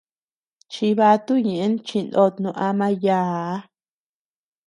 Chibatu ñéʼen chinót no ama yââ.